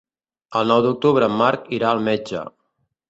El nou d'octubre en Marc irà al metge.